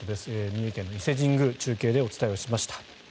三重県の伊勢神宮中継でお伝えしました。